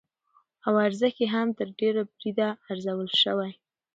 او ارزښت يې هم تر ډېره بريده ارزول شوى،